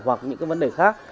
hoặc những vấn đề khác